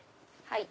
はい。